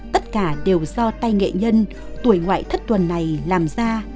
tất cả đều do tay nghệ nhân tuổi ngoại thất tuần này làm ra